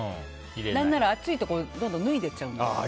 何なら暑いとどんどん脱いでいっちゃう。